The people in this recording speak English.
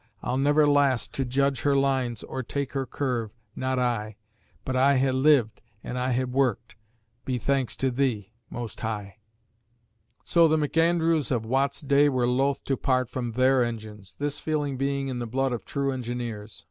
I'll never last to judge her lines or take her curve not I. But I ha' lived and I ha' worked. Be thanks to Thee, Most High! So the McAndrews of Watt's day were loth to part from their engines, this feeling being in the blood of true engineers.